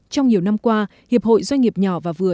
trong nhiều năm qua hiệp hội doanh nghiệp nhỏ và vừa